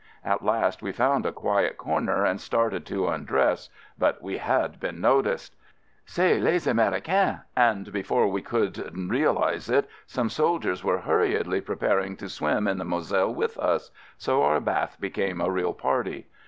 At last we found a quiet corner and started to undress — but we had been noticed! "C'est les Americains" — and before we could realize it, some soldiers were hurriedly preparing to swim in the Moselle with us, so our bath became a real party.